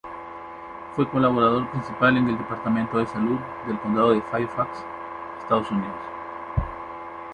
Fue colaborador principal en el Departamento de Salud del Condado de Fairfax Estados Unidos.